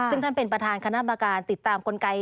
ซึ่งท่านเป็นประธานคณะกรรมการติดตามกลไก